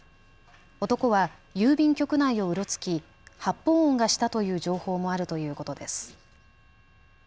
男は郵便局内をうろつき発砲音がしたという情報もあるということです。